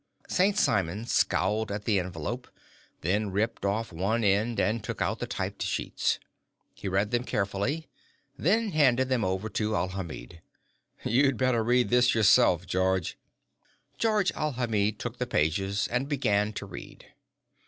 St. Simon scowled at the envelope, then ripped off one end and took out the typed sheets. He read them carefully, then handed them over to Alhamid. "You'd better read this yourself, George." Georges Alhamid took the pages and began to read.